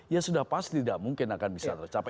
ya sudah pasti tidak mungkin akan bisa tercapai